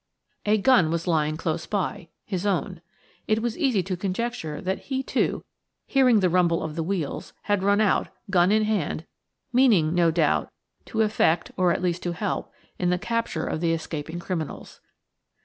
A gun was lying close by–his own. It was easy to conjecture that he, too, hearing the rumble of the wheels, had run out, gun in hand, meaning, no doubt, to effect, or at least to help, in the capture of the escaping criminals.